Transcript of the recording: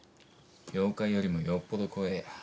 妖怪よりもよっぽど怖えや。